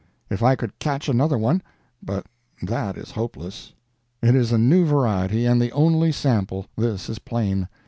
If I could catch another one but that is hopeless; it is a new variety, and the only sample; this is plain.